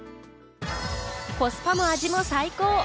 コスパも味も最高！